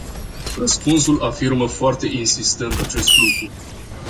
Răspunsul afirmă foarte insistent acest lucru.